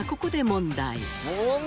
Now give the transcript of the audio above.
問題！？